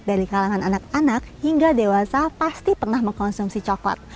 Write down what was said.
dari kalangan anak anak hingga dewasa pasti pernah mengkonsumsi coklat